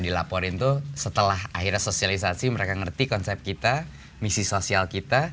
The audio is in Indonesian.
dilaporin tuh setelah akhirnya sosialisasi mereka ngerti konsep kita misi sosial kita